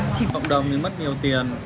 cộng đồng thì mất nhiều tiền